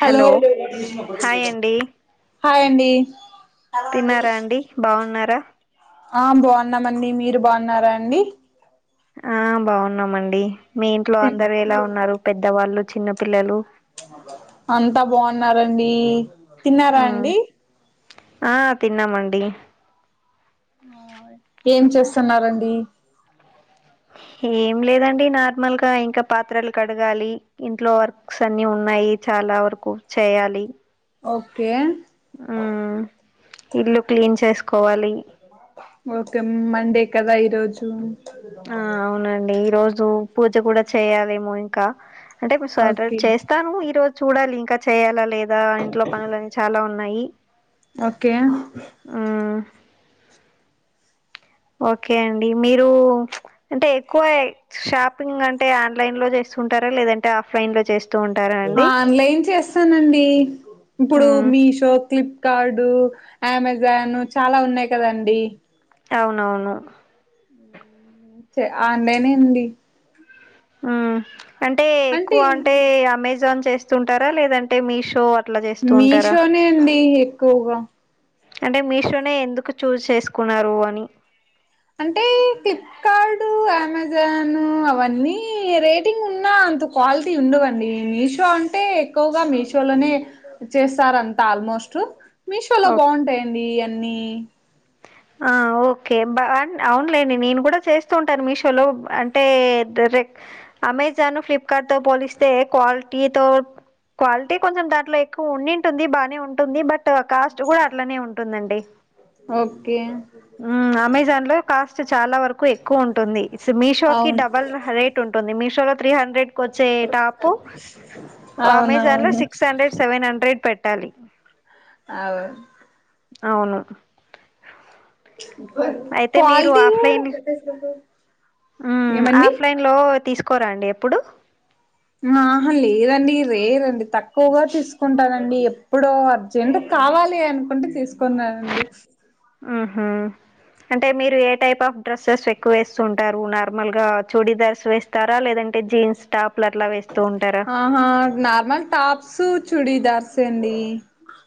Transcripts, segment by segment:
Hello hi అండి hi అండి తిన్నారా అండి బాగున్నారా ఆ బాగున్నామండి మీరు బాగున్నారా అండి ఆ బాగున్నామండి మీ ఇంట్లో అందరు ఎలా ఉన్నారు పెద్దవాళ్ళు చిన్న పిల్లలు అంతా బాగున్నారండి తిన్నారా అండి ఆ తిన్నామండి ఏం చేస్తున్నారండి ఏం లేదండి నార్మల్ గా ఇంకా పాత్రలు కడగాలి ఇంట్లో వర్క్స్ అన్ని ఉన్నాయి చాలా వరకు చేయాలి ఓకే ఉ ఇల్లు క్లీన్ చేసుకోవాలి ఓకే మండే కదా ఈరోజు ఆ అవునండి ఈ రోజు పూజ కూడా చేయాలేమో ఇంకా అంటే మీ సర్టడ్ ఓకే చేస్తా తాను ఈ రోజు చూడాలి ఇంకా చేయ్యాలా లేదా ఇంట్లో పనులు అన్నీ చాలా ఉన్నాయి ఓకే మ్మ్ ఓకే అండి మీరు అంటే ఎక్కువ షాపింగ్ అంటే ఆన్లైన్ లో చేస్తుంటారా లేదంటే ఆఫ్లైన్ లో చేస్ ఆన్లైన్ చేస్తానండి ఇప్పుడు మ్మ్ మీ షో క్లిప్ కార్డు అమెజాన్ చాలా ఉన్నాయి కదండి అవునవును ఆన్లైనే అండి ఆ అంటే ఎక్కువ అంటే అమెజాన్ చేస్తుంటారా లేదంటే మీషో అట్లా చేస్తూ ఉంటారా మీషోనే అండి ఎక్కువగా అంటే మీషోనే ఎందుకు చూజ్ చేసుకున్నారు అని అంటే క్లిప్ కార్డ్ అమెజాను అవన్నీ రేటింగ్ ఉన్నా అందుకు క్వాలిటీ ఉండవండి మీషో అంటే ఎక్కువగా మీషోలోనే చేస్తారంతా ఆల్మోస్ట్ మీషోలో ఓకే. బాగుంటాయండి అన్నీ ఆఓ ఓకే బా అవునులేండి నేను కూడా చేస్తూ ఉంటాను మీషోలో అంటే డేరెక్ట్ అమెజాను ఫ్లిప్కార్ట్తో పోలిస్తే క్వాలిటీతో క్వాలిటీ కొంచెం దాంట్లో ఎక్కువ ఉండింటుంది బాగానే ఉంటుంది బట్ కాస్ట్ కూడా అట్లానే ఉంటుందండి ఓకే అమెజాన్ లో కాస్ట్ చాలా వరకు ఎక్కువ ఉంటుంది మీషో కి అవును డబల్ రేట్ ఉంటుంది మిషోలో త్రీ హండ్రెడ్ కీ వచ్చే టాప్ అమెజాన్ లో అవునవును సిక్స్ హండ్రెడ్ సెవెన్ హండ్రెడ్ పెట్టాలి అవు అవును అయితే మీరు క్వాల్టీ కూడ ఊమ్ ఆఫ్లైన్ లో తీసుకోరా అండి ఎప్పుడు ఆహ లేదండి రేర్ అండి తక్కువగా తీసుకుంటానండి ఎప్పుడో [unintelligible] కావాలి అనుకుంటే తీసుకున్నానండి ఆహా అంటే మీరు ఏ టైప్ ఆఫ్ డ్రెస్సెస్ ఎక్కువేస్తుంటారు నార్మల్గా చూడీదర్స్ వే స్తారా లేదంటే జీన్స్ టాప్లు అట్లా వేస్తూ ఉంటారా అహా నార్మల్ టాప్స్ చుడీదార్స్ అండి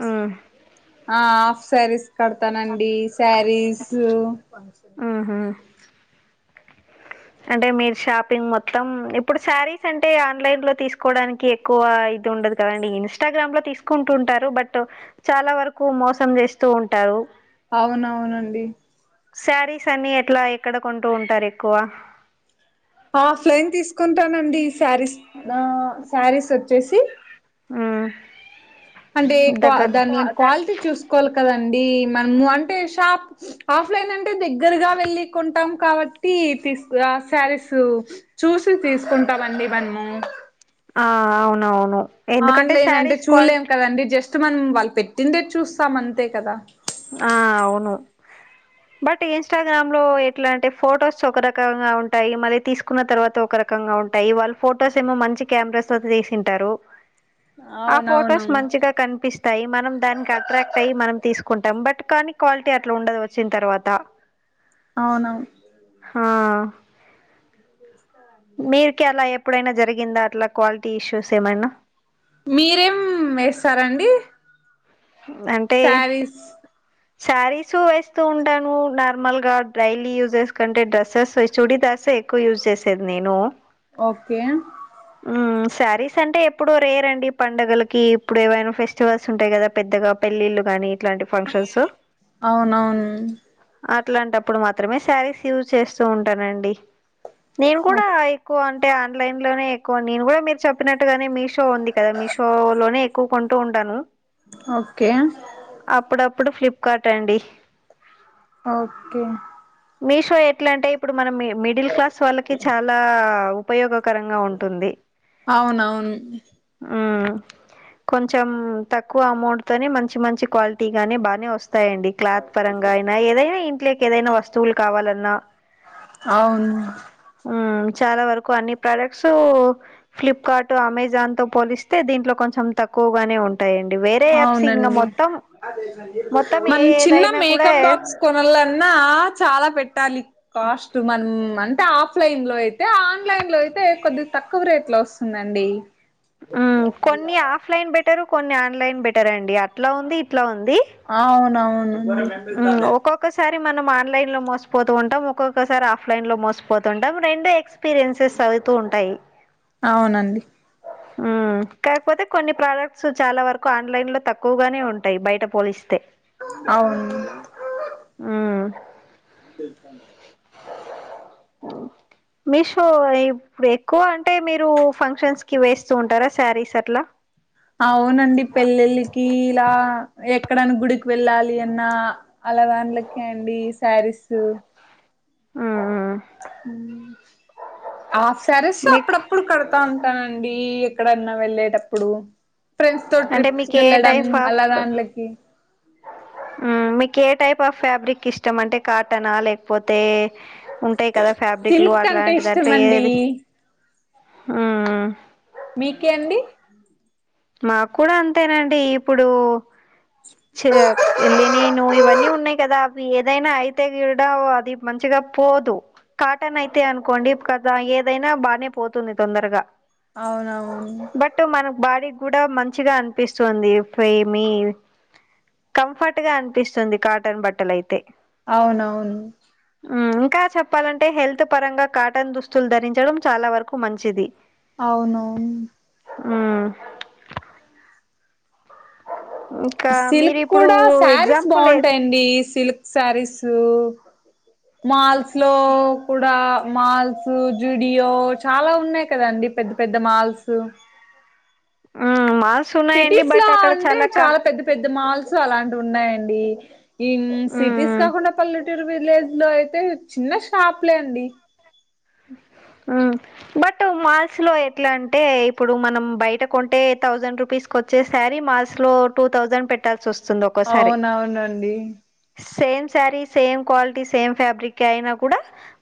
ఆ ఆ హాఫ్ సారీస్ కడ్తానండి సారీస్ ఆహా అంటే మీరు షాపింగ్ మొత్తం ఇప్పుడు సారీస్ అంటే ఆన్లైన్లో తీస్కోడానికి ఎ క్కువ ఐతే ఉండదు కదండి ఇన్స్టగ్రామ్లో తీసుకుంటూ ఉంటారు బట్ చాలా వరకు మోసం చేస్తూ ఉంటారు అవునవునండి సారీస్ అన్ని ఎట్లా ఎక్కడ కొంటూ ఉంటారు ఎక్కువ ఆఫ్లైన్ తీసుకుంటానండి సారీస్ సారీస్ వచ్చేసి ఆ అంటే క్వా దాన్ల క్వాలిటీ చూసుకోవాల్కదండి మనము అంటే షాప్ ఆఫ్లైన్ అంటే దగ్గిరగా వెళ్ళి కొంటాం కాబట్టి తీసుకుర్ర సారీస్ చూసి తీసుకుంటామండి మనము ఆ అవునవును ఎందుకంటే ఆన్లైన్ అంటే శారీస్ చూళ్ళేం క్వాలిటీ కదండి జస్ట్ మనం వాళ్ళు పెట్టిందే చూస్తాం అంతే కదా ఆ అవును బట్ ఇన్స్టగ్రామ్లో ఎట్లా అంటే ఫొటోస్ ఒక రకంగా ఉంటాయి మళ్ళీ తీసుకున్న తర్వాత ఒక ర కంగా ఉంటాయి వాళ్ళు ఫొటోస్ ఏమో మంచి కెమెరాస్తో తీసింటారు ఆ అవునవును ఫొటోస్ మంచిగా కనిపిస్తాయి మనం దానికి అట్రాక్ట్ అయి మనం తీస్కు కుంటాం బట్ కానీ క్వాలిటీ అట్లా ఉండదు వచ్చిన తర్వాత అవునవును ఆ మీర్కి అలా ఎప్పుడైనా జరిగిందా అట్లా క్వాలిటీ ఇష్యూస్ ఏమైనా మీరేం ఏస్తారండి అంటే సారీస్ వేస్తూ ఉంటాను నార్మల్గా డైలీ యూజర్స్ కంటే డ్రెసెస్ వేస్ చుడిదార్స్ ఎ క్కువ యూజ్ చేసేది నేను ఓకే ఉం సారీస్ అంటే ఎప్పుడు రేర్ అండి పండగలకి ఇప్పుడు ఏమైనా ఫెస్టివల్స్ ఉంటయి కదా పెద్దగా పెళ్ళిలు గానీ ఇట్లాంటి ఫంక్షన్స్ అవునవును అట్లాంటప్పుడు మాత్రమే సారీస్ యూజ్ చేస్తూ ఉంటానండి నేను కూడా క్కువ అంటే ఆన్లైన్ లోనే ఎక్కువ నేను కూడా మీరు చెప్పినట్టుగానే మీషో ఉంది కద మీషో లోనే కొంటూ ఉంటాను ఓకే అప్పుడప్పుడు ఫ్లిప్కార్ట్ అండి ఓకే మీషో ఎట్లా అంటే ఇప్పుడు మనం మిడిల్ క్లాస్ వాళ్ళకి చాలా ఉపయోగకరంగా ఉంటుంది అవునవును ఉ కొంచెం తక్కువ అమౌంట్ తోనే మంచి మంచి క్వాలిటీగానే బానే వస్తాయండి క్లాత్ పరంగా అయినా ఏదైనా ఇంట్లోకి ఏదైనా వస్తువులు కావాలన్నా అవును ఉ చాలా వరకు అన్ని ప్రోడక్ట్స్ఊ ఫ్లిప్కార్ట్ అమెజాన్ తో పోలిస్తే దీంట్లో కొంచెం తక్కువగానే ఉంటాయండి వేరే యాప్స్ ఇంకా అవునండి మొత్తం మొత్తం ఏ ఏదైనా కూడా కొనలన్నా చాలా పెట్టాలి కాస్ట్ మనం అంటే ఆఫ్లైన్ లో అయితే ఆన్లైన్ లో అయితే కొద్ది తక్కువ రేట్లో వస్తుంది తుదండి కొన్ని ఆఫ్లైన్ బెటర్ కొన్ని ఆన్లైన్ బెటర్ అండి అట్లా ఉంది ఇట్లా ఉంది ఆ అవున అవును ఒక్కసారి మనం ఆన్లైన్ లో మోసిపోతూ ఉంటాం ఒక్కొక్కసారి ఆఫ్లైన్ లో మోసిపోతుంటాం రెండో ఎక్స్ ఎక్స్పీరియన్సెస్ అవుతూ ఉంటాయి అవునండి ఆ కాకపోతే కొన్ని ప్రోడక్ట్స్ చాలా వరకు ఆన్లైన్ లో తక్కువగానే ఉంటాయి బయట పోలిస్తే అవును హ్మ్మ్ [unintelligible] మాస్ మీషో ఏ ఎక్కువ అంటే మీరు ఫంక్షన్స్ కి వేస్తూ ఉంటారా శారీస్ అట్లా అవునండి పెళ్లిళ్ళకి ఇలా ఎక్కడనా గుడికి వెళ్ళాలి అన్న అలావాన్లకే అండి శారీస్ హ్మ్మ్ హ్మ్మ్ ఆఫ్ సారస్ మీకు అప్పుడప్పుడు కడ్తా అంతానండి ఎక్కడన్నా వెళ్ళేటప్పుడు ఫ్రెండ్స్ తో అంటే ట్రిప్స్ మీకు ఏ వెళ్ళడం టైప్ ఆఫ్ అలా దాంలోకి మీకు ఏ టైప్ ఆఫ్ ఫ్యాబ్రిక్ ఇష్టం అంటే కాటనా లేకపోతే ఉంటాయి కదా ఫ్యాబ్రిక్లు సిల్క్ అంటే అట్లాంటి ఇష్టం దాంట్లో అండి ఏది మీకే అండి మాకు కూడా అంతేనండి ఇప్పుడు చ వెళ్ళిన నువ్వు ఇవన్నీ ఉన్నాయి కదా అ ఏదైనా అయితే కూడా అది మంచిగా పోదు కాటన్ అయితే అనుకోండి కద ఏదైనా బానే పోతుంది తొందరగా అవునవును బట్ మనకు బాడీ కూడా మంచిగా అనిపిస్తుంది ప్రేమి కంఫర్ట్ గా అనిపిస్తుంది కాటన్ బట్టల అయితే అవునవును అ ఇంకా చెప్పాలంటే హెల్త్ పరంగా కాటన్ దుస్తులు ధరించడం చాలా వరకు మంచిది అవును ఉమ్మ్ అ సిల్క్ కూడా సారీస్ బాగుంటాయండి సిల్క్ సారీసూ మాల్స్‌లో కూడా మాల్స్ జుడియో చాలా ఉన్నాయి కదండి పెద్ద పెద్ద మాల్స్ ఆ మాల్ సిటీస్లో అంటే చాలా పెద్ద పెద్ద మాల్స్ అలాంటి ఉన్నాయండి ఈ సిటీస్ ఉమ్ కాకుండా పల్లె టూరు విలేజ్‌లో అయితే చిన్న షాపులే అండి అ బట్ మాల్స్‌లో ఎట్లా అంటే ఇప్పుడు మనం బయట కొంటే థౌసండ్ రూపీస్ కొచ్చే శారి మాల్స్‌లో టూ థౌజండ్ పెట్టాల్సి వస్తుంది ఒక్కోసారి అవునవునండి same sari same quality same fabric అయినా కూడా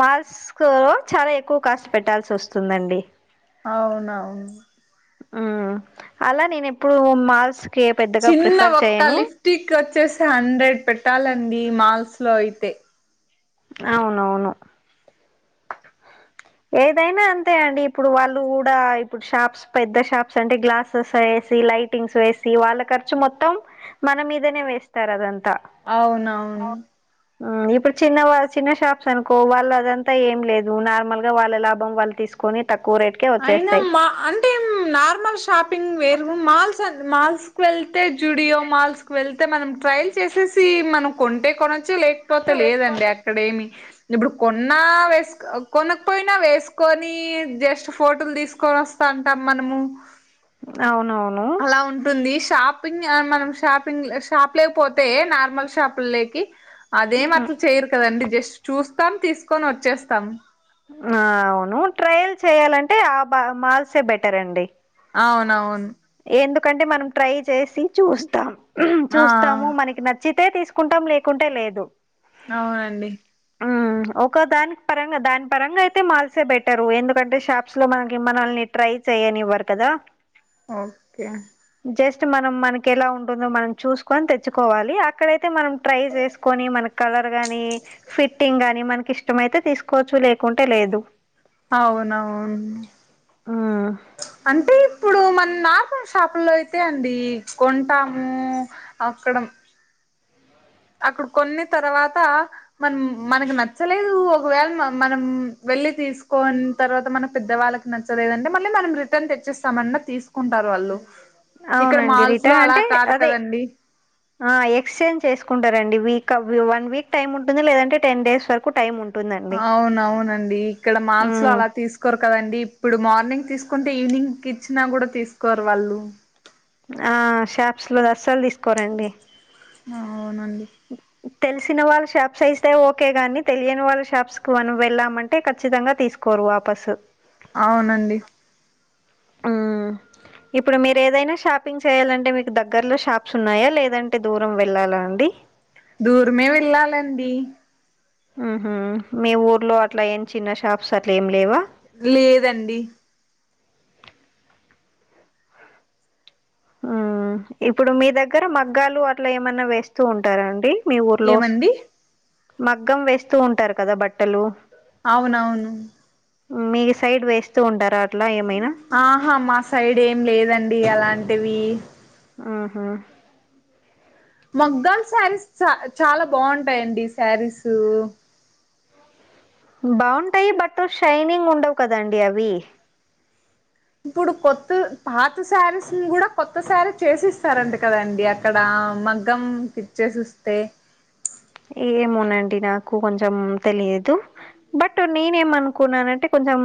మాల్స్కో చాలా ఎక్కువ కాస్ట్ పెట్టాల్సి వస్తుందండి అవునవును ఉమ్మ్ అలా నేను ఎప్పుడు మాల్స్‌కి పెద్దగా ప్రిఫర్ చెయ్యను టిక్ వచ్చేసి హండ్రెడ్ పెట్టాలండి మాల్స్లో అయితే అవునవును ఏదైనా అంతే అండి ఇప్పుడు వాళ్ళు కూడా ఇప్పుడు షాప్స్ పెద్ద షాప్స్ అంటే గ్లాసెస్ అయెసి లైటింగ్స్ వేసి వాళ్ళా ఖర్చు మొత్తం మన మీదనే వేస్తారు అదంతా అవునవును ఆ ఇప్పుడు చిన్న చిన్న షాప్స్ అనుకో వాళ్ళు అదంతా ఏం లేదు నార్మల్ గ వాళ్ళ లాభం వాళ్ళు తీసుకొని తక్కువ రేట్ అయినా మా అం [inaudible] నార్మల్ షాపింగ్ వేరు మాల్స్ అ మాల్స్‌కు వెళ్తే జుడియో మాల్స్ వెళ్తే మనం ట్రయిల్ చేసేసి మనం కొంటే కొనొచ్చు లేకపోతే లేదండి అ క్కడేమి ఇప్పుడు కొన్నా వేస్క్ కొనకపోయినా వేసుకొని జస్ట్ ఫోటలు తీసుకొని వస్తాంటం మనము అవునవును ఆ ఉంటుంది షాపింగ్ మనం షాపింగ్ షాప్ లేకపోతే నార్మల్ షాపుల్లేకి అదేం ఉమ్, అట్లా చేయరు కదండి జస్ట్ చూస్తాం తీసుకొని వచ్చేస్తాం ఆ అవును ట్రయిల్ చేయాలంటే ఆ బా మాల్సే బెటర్ అండి అవునవును ఎందుకంటే మనం ట్రై చేసి చూస్తాం ఆ చూస్తాము మనకి న చ్చితే తీసుకుంటాం లేకుంటే లేదు అవునండి ఉమ్మ్ ఒక దానికి పరంగా దాని పరంగా అయితే మాల్సే బెటరు ఎందుకంటే షాప్స్‌లో మనకి మనల్ని ట్రై చేయ్యనివ్వరు కదా [inaudible] ఓకే జస్ట్ మనం మనకి ఎలా ఉంటుందో మనం చూసుకొని తెచ్చుకోవాలి అక్కడైతే మనం ట్రై చేసుకొని మన కలర్ గాని ఫిట్టింగ్ గాని మనకి ఇష్టమైతే తీసుకోవచ్చు లేకుంటే లేదు ఔనవ్ ను మ్మ్ అంటే ఇప్పుడూ మన నార్మల్ షాపుల్లో అయితే అండీ కొంటామూ ఆక్కడం అక్కడ్ కొన్ని తర్వాతా మనం మనకి నచ్చలేదూ ఒకవేళ మనం వెళ్ళి తీసుకోన్ తర్వాత మన పెద్దవాళ్ళక్ నచ్చలేదంటే మళ్ళీ మనం రిటర్న్ తెచ్చిస్తామన్నా తీసుకుంటార్ వాళ్ళు ఇక్కడ అవునండి మాల్స్ లో రిటర్న్ అలా అంటే కాదు అదే కదండి ఆ ఎక్స్చేంజ్ చేసుకుంటరండి వీక్ అవ్యూ వన్ వీక్ టైమ్ ఉంటుంది లేదంటే టెన్ డేస్ వరకు టైం ఉంట్ ఔనవునండీ ఇక్కడ మాల్స్ లో మ్మ్ అలా తీస్కు కొర్ కదండీ ఇప్పుడు మార్నింగ్ తీసుకుంటే ఈవినింగ్ కిచ్చినా గుడ తీసుకోర్ వాళ్ళు ఆ షాప్స్ లోది అస్సల్ దీస్కోరండి ఆ ఔనండి ఓకే [unintelligible] తెల్సిన వాళ్ళ షాప్స్ అయిస్తే ఓకే గానీ తెలియని వాళ్ళ షాప్స్ కు మనం వెళ్ళామంటే ఖచ్చితంగా తీస్కు కోరు వాపసు ఔనండి ఆ ఇప్పుడు మీరేదైనా షాపింగ్ చేయాలంటే మీక్ దగ్గర్ లో షాప్స్ ఉన్నాయా లేదంటే దూరం వెళ్ళాలా అండి దూర్ మే వెళ్ళాలండీ ఉహు మీ ఊర్లో అట్ల ఏం చిన్న షాప్స్ అట్లేం లేవ లేదండి ఉమ్ ఇప్పుడు మీ దగ్గర మగ్గాలు అట్ల ఏమన్న వేస్తూ ఉంటారా అండి మీ ఊర్లోస్ ఏమండి మగ్గం వేస్తూ ఉంటార్ కదా బట్టలు ఔనవును మీ సైడ్ వేస్తూ ఉండారా అట్లా ఏమైనా ఆహా మా సైడ్ ఏం లేదండీ అలాంటివీ ఆహా మగ్గాల్ స్యారీస్ చ చాలా బావుంటాయండి స్యారీసూ బావుంటయ్ బట్టు షైనింగ్ ఉండవు కదండి అవీ ఇప్పుడు కొత్తు పాత స్యారీస్ ని గుడ కొత్త స్యారీస్ చేసిస్తారంట కదండి అక్ క్కడా మగ్గం ఫిట్ చేసిస్తే ఏమోనండి నాకు కొంచెం తెలియదు బట్ నేనేమనుకున్నానంటే కొంచెం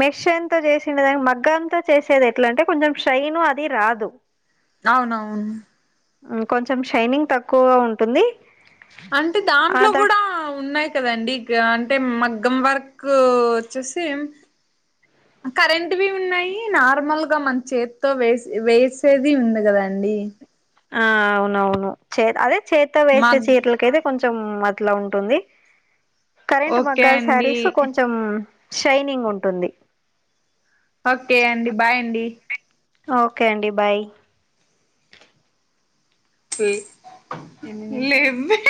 మెషన్తో చేసిండే దానిక్ మగ్గంతో చేసేదెట్లా అంటే కొంచెం షైనూ అదీ రాదు ఔనవున్ కొంచెం షైనింగ్ తక్కువగా ఉంటుంది అంటే దాంట్లో అదా గుడా ఉన్నాయ్ కదండి యా అంటే మగ్గం వర్కూ వచ్చేసీమ్ [unintelligible] కరెంటువీ ఉన్నయీ నార్మల్ గ మన చేత్తో వేస్ వేసేదీ ఉంది గదండీ ఆ ఔనవును చేద్ అదే చేత్తో మా వేసే చీర్లకైతే కొంచం అట్ల ఉంటుంది కరెంట్ ఓకే మగ్గాల్ అండి శ్యారీస్ కొంచం షైనింగ్ ఉంటుంది ఓకే అండి బాయ్ అండి ఓకే అండి బాయ్ లెవ్వే